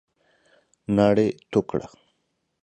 ناړي تو کړه !